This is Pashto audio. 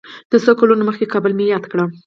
د څو کلونو مخکې کابل مې یاد کړ.